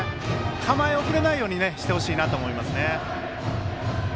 構え遅れないようにしてほしいなと思います。